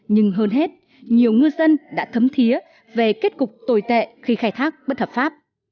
nhưng hơn hết nhiều ngư dân đã thấm thiế về kết cục tồi tệ khi khai thác bất hợp pháp